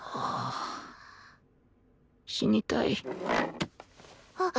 死にたいあっ。